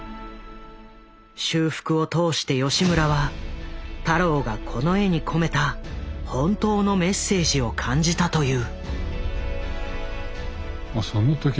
修復を通して吉村は太郎がこの絵に込めた本当のメッセージを感じたという。